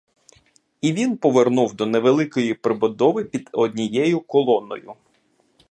І він повернув до невеликої прибудови під однією колоною.